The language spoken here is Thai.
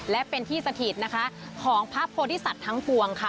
และเป็นที่สถิตนะคะของพระโพธิสัตว์ทั้งปวงค่ะ